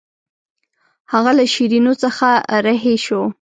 هغه له شیرینو څخه رهي شو.